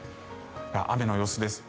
雨の様子です。